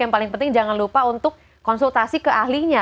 yang paling penting jangan lupa untuk konsultasi ke ahlinya